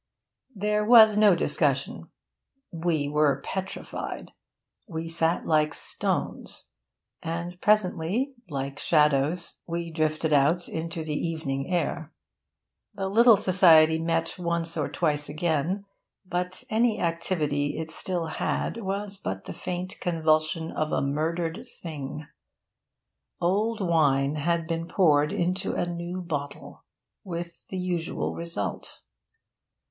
There was no discussion. We were petrified. We sat like stones; and presently, like shadows, we drifted out into the evening air. The little society met once or twice again; but any activity it still had was but the faint convulsion of a murdered thing. Old wine had been poured into a new bottle, with the usual result.